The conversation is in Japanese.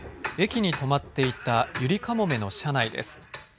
駅に止まっていたゆりかもめの車内です。